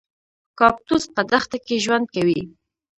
کاکتوس په دښته کې ژوند کوي